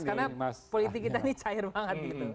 karena politik kita ini cair banget gitu